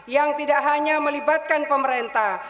yang tidak hanya melibatkan pemerintah